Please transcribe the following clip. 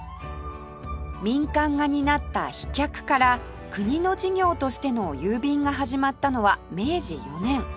民間が担った飛脚から国の事業としての郵便が始まったのは明治４年